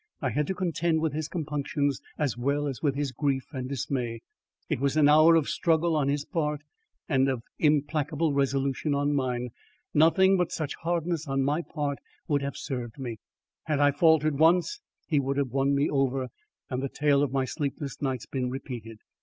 I had to contend with his compunctions, as well as with his grief and dismay. It was an hour of struggle on his part and of implacable resolution on mine. Nothing but such hardness on my part would have served me. Had I faltered once he would have won me over, and the tale of my sleepless nights been repeated.